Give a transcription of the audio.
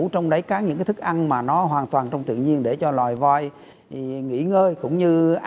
trong xu thế phát triển